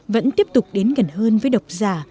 vẫn tiếp tục đến gần hơn với độc giả